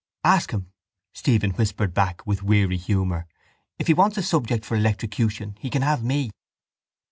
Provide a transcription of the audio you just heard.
—Ask him, Stephen whispered back with weary humour, if he wants a subject for electrocution. He can have me.